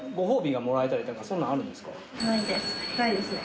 ないですね。